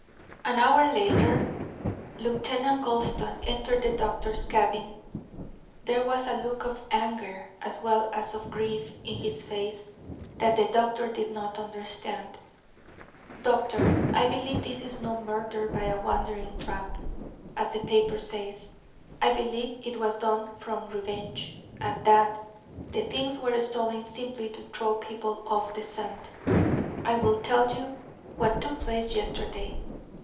An hour later Lieutenant Gulston entered the doctor's cabin. There was a look of anger as well as of grief on his face that the doctor did not understand. "Doctor, I believe this is no murder by a wandering tramp, as the paper says. I believe it was done from revenge, and that the things were stolen simply to throw people off the scent. I will tell you what took place yesterday.